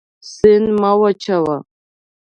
سیند مه وچوه.